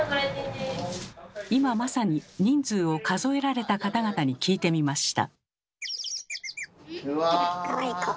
今まさに人数を数えられた方々に聞いてみました。